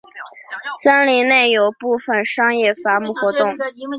森林内有部分商业伐木活动。